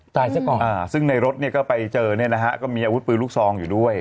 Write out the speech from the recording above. ซะก่อนอ่าซึ่งในรถเนี่ยก็ไปเจอเนี่ยนะฮะก็มีอาวุธปืนลูกซองอยู่ด้วย